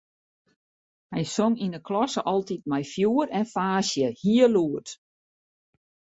Hy song yn 'e klasse altyd mei fjoer en faasje, hiel lûd.